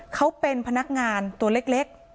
เขาเป็นพนักงานตัวเล็ก